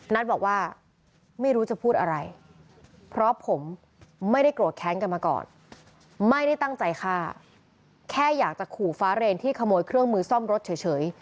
นัทบอกว่าไม่รู้จะพูดอะไรเพราะผมไม่ได้โกรธแค้นกันมาก่อนไม่ได้ตั้งใจฆ่าแค่อยากจะขู่ฟ้าเรนที่ขโมยเครื่องมือซ่อมรถเฉย